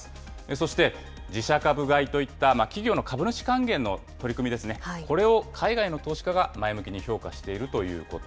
そして自社株買いといった企業の株主還元の取り組みですね、これを海外の投資家が前向きに評価しているということ。